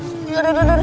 aduh aduh aduh aduh aduh